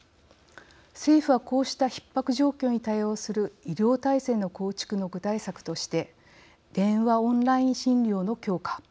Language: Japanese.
政府は、こうしたひっ迫状況に対応する医療体制の構築の具体策として電話・オンライン診療の強化